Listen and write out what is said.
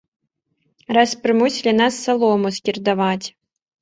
Раз прымусілі нас салому скірдаваць.